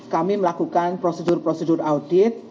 kami melakukan prosedur prosedur audit